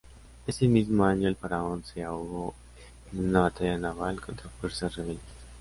Ese mismo año el faraón se ahogó en una batalla naval contra fuerzas rebeldes.